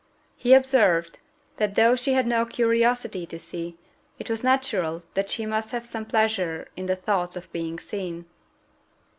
He observed, that though she had no curiosity to see, it was natural that she must have some pleasure in the thoughts of being seen.